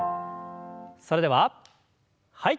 それでははい。